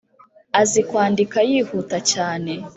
azi kwandika yihuta cyane